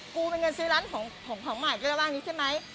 กูเป็นเงินซื้อร้านของของของของใหม่กันระหว่างนี้ใช่ไหม